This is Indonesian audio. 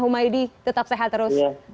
humaydi tetap sehat terus terima kasih